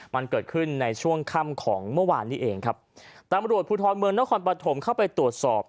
มันเกิดขึ้นในช่วงค่ำของเมื่อวานนี้เองครับตำรวจภูทรเมืองนครปฐมเข้าไปตรวจสอบ